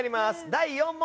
第４問。